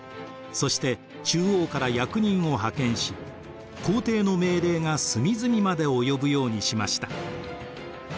そして中央から役人を派遣し皇帝の命令が隅々まで及ぶようにしました。